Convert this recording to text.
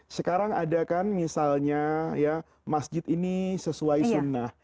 sekarang ada kan misalnya ya masjid ini sesuai sunnah